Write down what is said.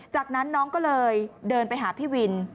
จากนั้นน้องก็เลยเดินไปหาพี่วิน